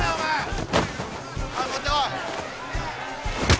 ・おい持ってこい。